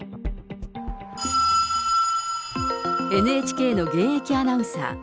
ＮＨＫの現役アナウンサー。